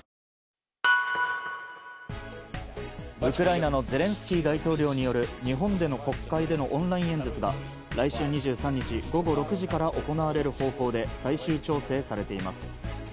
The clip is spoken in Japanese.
ウクライナのゼレンスキー大統領による日本での国会でのオンライン演説が来週２３日午後６時から行われる方向で最終調整されています。